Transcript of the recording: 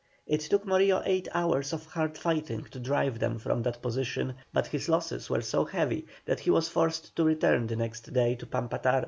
It took Morillo eight hours of hard fighting to drive them from this position, but his losses were so heavy that he was forced to return the next day to Pampatar.